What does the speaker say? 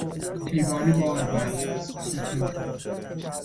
حیوان باربر، ستور